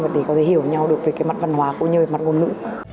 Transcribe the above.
và để có thể hiểu nhau được về cái mặt văn hóa cũng như mặt ngôn ngữ